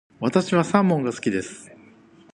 私はサーモンが好きです。